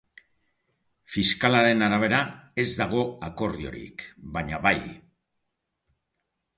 Fiskalaren arabera ez dago akordiorik, baina bai.